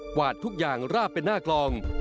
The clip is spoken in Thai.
วาดทุกอย่างราบเป็นหน้ากลอง